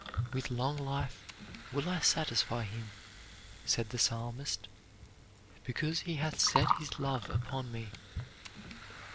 "With long life will I satisfy him," said the Psalmist, "because he hath set his love upon me."